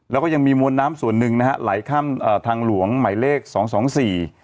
แล้วก็ยังมีมวลน้ำส่วนหนึ่งนะฮะไหลข้ามอ่าทางหลวงหมายเลขสองสองสี่